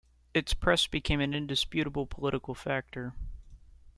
Its press became an indisputable political factor.